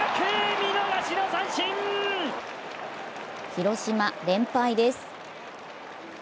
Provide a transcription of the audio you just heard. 広島、連敗です。